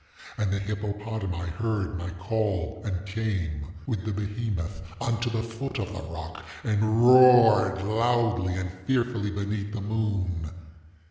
And the hippopotami heard my call, and came, with the behemoth, unto the foot of the rock, and roared loudly and fearfully beneath the moon.